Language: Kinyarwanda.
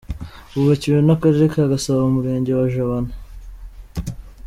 Bubakiwe n’akarere ka Gasabo mu murenge wa Jabana.